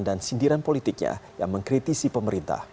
dan sindiran politiknya yang mengkritisi pemerintah